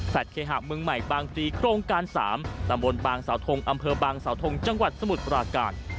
เคหะเมืองใหม่บางพลีโครงการ๓ตำบลบางสาวทงอำเภอบางสาวทงจังหวัดสมุทรปราการ